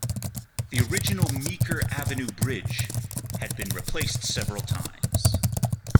The original Meeker Avenue Bridge had been replaced several times.